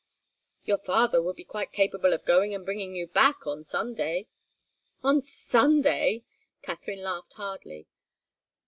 "Your father would be quite capable of going and bringing you back on Sunday." "On Sunday!" Katharine laughed hardly.